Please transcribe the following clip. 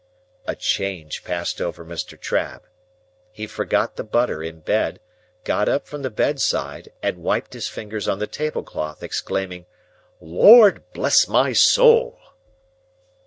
A change passed over Mr. Trabb. He forgot the butter in bed, got up from the bedside, and wiped his fingers on the tablecloth, exclaiming, "Lord bless my soul!"